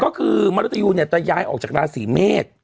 ก็คือมรุตยูเนี่ยจะย้ายออกจากราศีเมษ